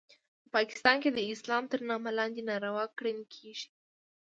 په پاکستان کې د اسلام تر نامه لاندې ناروا کړنې کیږي